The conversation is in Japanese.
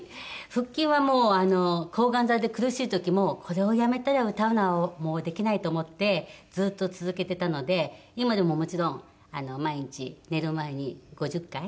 腹筋はもう抗がん剤で苦しい時もこれをやめたら歌うのはもうできないと思ってずっと続けてたので今でももちろん毎日寝る前に５０回。